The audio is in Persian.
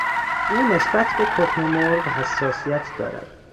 او نسبت به تخم مرغ حساسیت دارد.